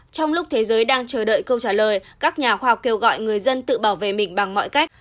trong lúc thế giới đang chờ đợi câu trả lời các nhà khoa học kêu gọi người dân tự bảo vệ mình bằng mọi cách